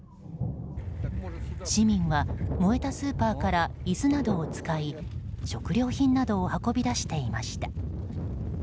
市民は燃えたスーパーから椅子などを使い食料品などを運び出していました。